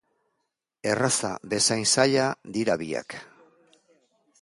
Erraza bezain zaila dira biak.